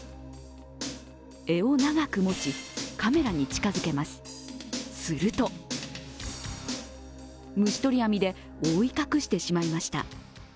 柄を長く持ち、カメラに近づけますすると、虫捕り網で覆い隠してしまいました。